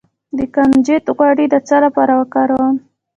د کنجد غوړي د څه لپاره وکاروم؟